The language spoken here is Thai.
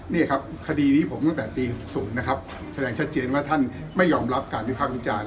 นี่ครับคดีนี้ผมตั้งแต่ปี๖๐นะครับแสดงชัดเจนว่าท่านไม่ยอมรับการวิภาควิจารณ์